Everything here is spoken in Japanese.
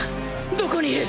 どこにいる！？